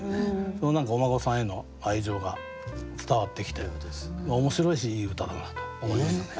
その何かお孫さんへの愛情が伝わってきて面白いしいい歌だなと思いましたね。